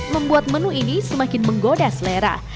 membuat menu ini semakin menggoda selera